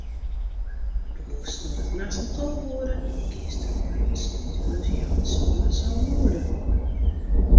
Begûnst sneintenachts om tolve oere en giest troch oant sneontejûns healwei sânen, sân oere.